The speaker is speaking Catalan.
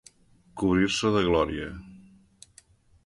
Cobrir-se de glòria.